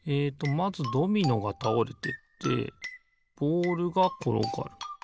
まずドミノがたおれてってボールがころがる。